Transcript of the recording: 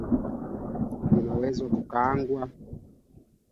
Washington siku ya Alhamisi iliionya Moscow kuhusu kile ambacho